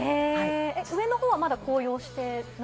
上の方はまだ紅葉はしていない。